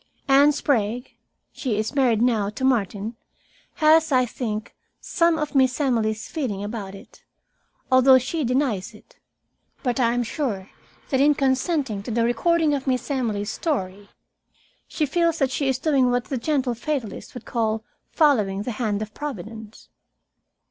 Anne Sprague she is married now to Martin has, I think, some of Miss Emily's feeling about it, although she denies it. But I am sure that in consenting to the recording of Miss Emily's story, she feels that she is doing what that gentle fatalist would call following the hand of Providence.